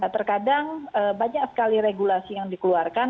terkadang banyak sekali regulasi yang dikeluarkan